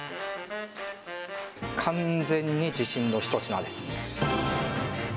完全に自信の一品です。